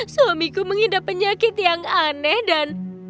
suamiku mengidap penyakit yang aneh dan